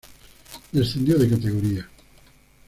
Descendió de categoría.